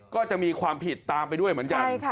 ก็จะมีความผิดตามไปด้วยเหมือนกัน